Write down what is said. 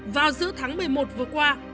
vào giữa tháng một mươi một vừa qua